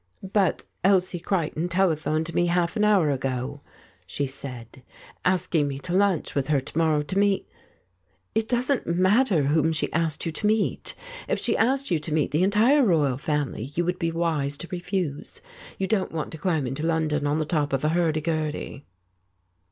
"But Elsie Creighton telephoned to me half an i33 The False Step hour ago," she said, "asking me to lunch with her to morrow to meet " "It doesn't matter whom she asked you to meet. If she asked you to meet the entire Royal Family, you would be wise to refuse. You don't want to climb into London on the top of a hurdy gurdy."